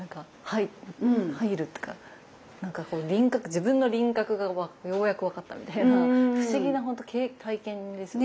自分の輪郭がようやく分かったみたいな不思議なほんと体験ですよね。